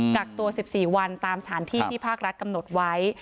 กักตัว๑๔วันตามสถานที่ที่ภาครัฐกำหนดไว้